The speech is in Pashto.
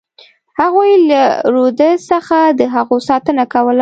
هغوی له رودز څخه د هغو ساتنه کوله.